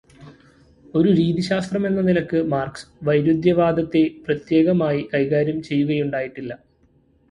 ഒരു രീതിശാസ്ത്രമെന്ന നിലക്ക് മാർക്സ് വൈരുധ്യവാദത്തെ പ്രത്യേകമായി കൈകാര്യം ചെയ്യുകയുണ്ടായിട്ടില്ല.